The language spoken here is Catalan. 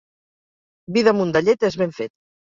Vi damunt de llet és ben fet.